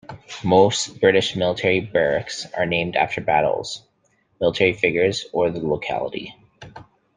Most British military barracks are named after battles, military figures or the locality.